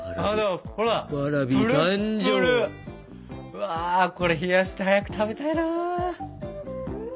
うわこれ冷やして早く食べたいな。